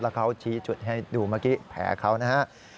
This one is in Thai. แล้วเขาชี้จุดให้ดูเมื่อกี้แผลเขานะครับ